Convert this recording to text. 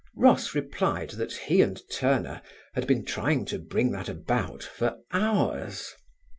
Ross replied that he and Turner had been trying to bring that about for hours.